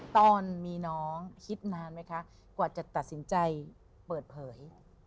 ตอนมีน้องคิดนานไหมคะกว่าจะตัดสินใจเปิดเผย